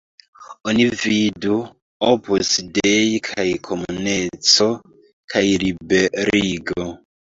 Oni vidu: Opus Dei kaj Komuneco kaj Liberigo.